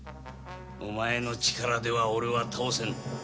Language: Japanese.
お前の力ではオレは倒せぬ。